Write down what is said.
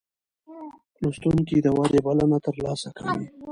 لوستونکی د ودې بلنه ترلاسه کوي.